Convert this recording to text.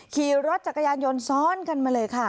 ขี่รถจักรยานยนต์ซ้อนกันมาเลยค่ะ